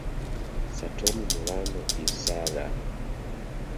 Satomi Murano is Sara.